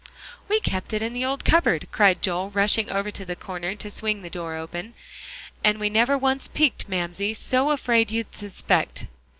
"We kept it in the old cupboard," cried Joel, rushing over to the corner to swing the door open. "And we never once peeked, Mamsie, so afraid you'd suspect."